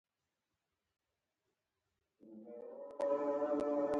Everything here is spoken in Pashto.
ځواک د یوې ذرې د حرکت بدلون رامنځته کوي.